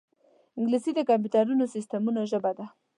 انګلیسي د کمپیوټري سیستمونو ژبه ده